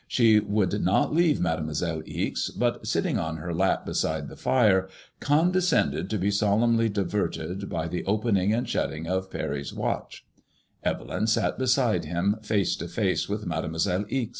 She would not leave Mademoiselle Ixe, but sitting on f lOO MADEMOISELLE IXE. her lap beside the fire, con descended to be solemnly diverted by the opening and shutting of Parry's watch, Evelyn sat be side him, face to face with Mademoiselle Ixe.